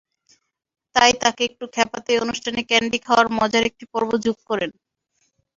তাই তাঁকে একটু খ্যাপাতেই অনুষ্ঠানে ক্যান্ডি খাওয়ার মজার একটি পর্ব যোগ করেন।